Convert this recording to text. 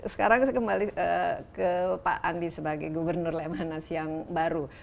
sekarang saya kembali ke pak andi sebagai gubernur lemhanas yang baru